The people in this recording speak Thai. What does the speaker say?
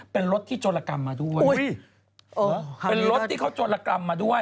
เพลงรถที่โจรครรมมาด้วยเนี่ยครับเพลงรถที่เขาโจรครรมมาด้วย